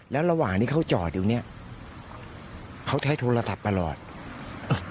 แล้วระหว่างที่เขาจอดอยู่เนี้ยเขาใช้โทรศัพท์ตลอดอ่า